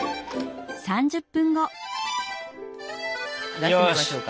出してみましょうか。